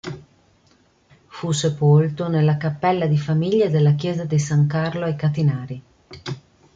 Fu sepolto nella cappella di famiglia della chiesa di San Carlo ai Catinari.